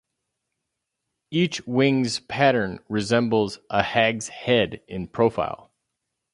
Each wing's pattern resembles a hag's head in profile.